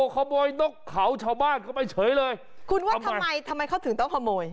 ขโมยนกเขาชาวบ้านเข้าไปเฉยเลยคุณว่าทำไมทำไมเขาถึงต้องขโมย